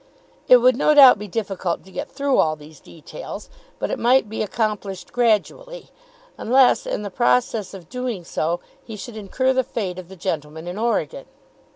It would no doubt be difficult to get through all these details; but it might be accomplished gradually, unless in the process of doing so he should incur the fate of the gentleman in Oregon.